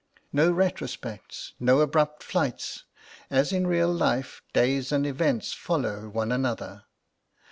No retrospects; no abrupt flights; as in real life days and events follow one another.